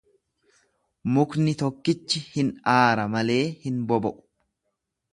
Mukni tokkichi hin aara malee hin boba’u